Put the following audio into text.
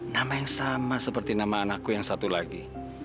nama yang sama seperti nama anakku yang satu lagi